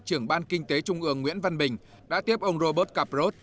trưởng ban kinh tế trung ương nguyễn văn bình đã tiếp ông robert caprot